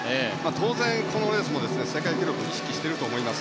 当然、このレースも世界記録を意識していると思います。